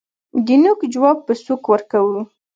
دنوک جواب په سوک ورکوو